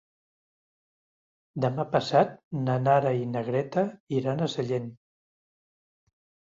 Demà passat na Nara i na Greta iran a Sallent.